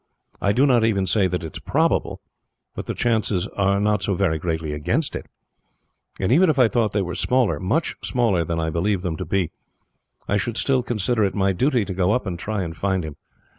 I do not even say that it is probable, but the chances are not so very greatly against it; and even if I thought they were smaller much smaller than I believe them to be I should still consider it my duty to go up and try and find him.